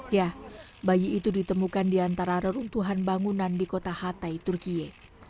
ya bayi itu ditemukan di antara reruntuhan bangunan di kota hatay turkiye